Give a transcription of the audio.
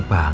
oh ya kan